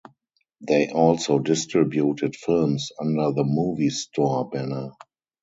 They also distributed films under The Movie Store banner.